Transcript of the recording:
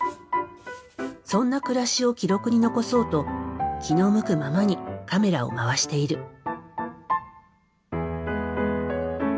そんな暮らしを記録に残そうと気の向くままにカメラを回している。